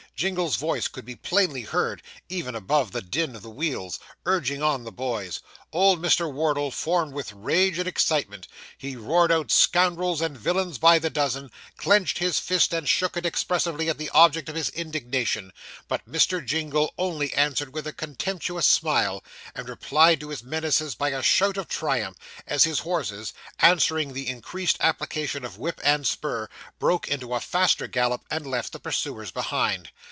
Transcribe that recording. Jingle's voice could be plainly heard, even above the din of the wheels, urging on the boys. Old Mr. Wardle foamed with rage and excitement. He roared out scoundrels and villains by the dozen, clenched his fist and shook it expressively at the object of his indignation; but Mr. Jingle only answered with a contemptuous smile, and replied to his menaces by a shout of triumph, as his horses, answering the increased application of whip and spur, broke into a faster gallop, and left the pursuers behind.